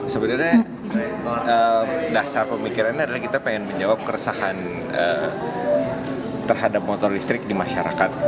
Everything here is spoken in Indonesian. sebenarnya dasar pemikirannya adalah kita pengen menjawab keresahan terhadap motor listrik di masyarakat